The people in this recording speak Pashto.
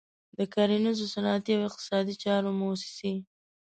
د کرنیزو، صنعتي او اقتصادي چارو موسسې.